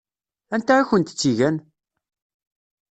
Anta i kent-tt-igan?